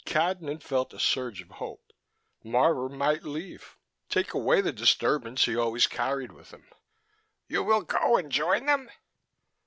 Cadnan felt a surge of hope. Marvor might leave, take away the disturbance he always carried with him. "You will go and join them?"